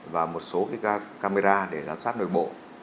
và một số camera để giám sát nơi bộ